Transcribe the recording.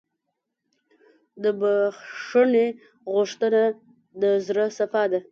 د بښنې غوښتنه د زړه صفا ده.